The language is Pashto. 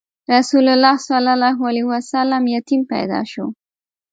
رسول الله ﷺ یتیم پیدا شو.